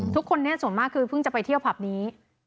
ทุกคนนี้ส่วนมากคือเพิ่งจะไปเที่ยวผับนี้